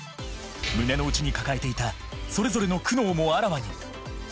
胸の内に抱えていたそれぞれの苦悩もあらわに。